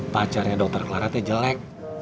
pacarnya dokter clara teh jelek